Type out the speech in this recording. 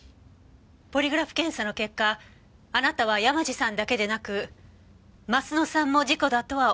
ポリグラフ検査の結果あなたは山路さんだけでなく鱒乃さんも事故だとは思ってなかった。